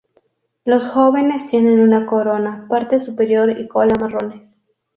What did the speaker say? Los jóvenes tienen una corona, parte superior y cola marrones.